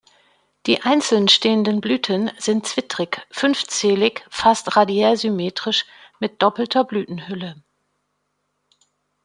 Die einzeln stehenden Blüten sind zwittrig, fünfzählig, fast radiärsymmetrisch mit doppelter Blütenhülle.